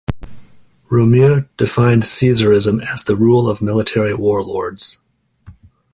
Romieu defined Caesarism as the rule of military warlords.